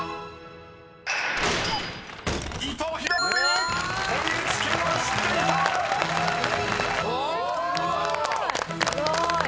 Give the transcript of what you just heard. すごーい！